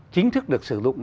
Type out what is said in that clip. chính thức được sử dụng